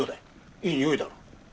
いいにおいだろう？